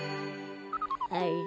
あれ？